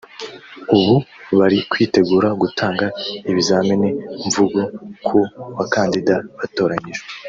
ubu bari kwitegura gutanga ibizamini mvugo ku bakandida batoranyijwe